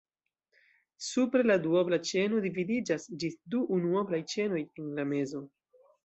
Supre la duobla ĉeno dividiĝas ĝis du unuoblaj ĉenoj en la mezo.